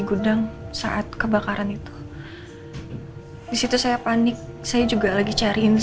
gudang saat kebakaran itu disitu saya panik saya juga lagi cari